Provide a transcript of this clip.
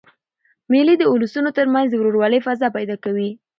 مېلې د اولسونو تر منځ د ورورولۍ فضا پیدا کوي.